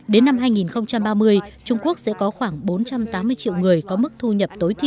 đến năm hai nghìn ba mươi trung quốc sẽ có khoảng bốn trăm tám mươi triệu người có mức thu nhập tối thiểu